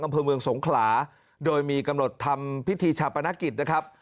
อำเภอเมืองสงขลาโดยมีกำหนดทำพิธีชาปนกิจนะครับ